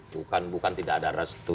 bukan bukan tidak ada restu